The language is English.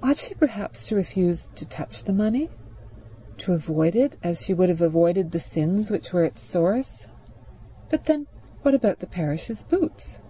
Ought she perhaps to refuse to touch the money, to avoid it as she would have avoided the sins which were its source? But then what about the parish's boots?